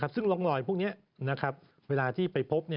ซึ่งร่องรอยพวกนี้เวลาที่ไปพบ